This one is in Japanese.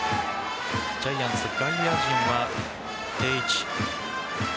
ジャイアンツ、外野陣は定位置。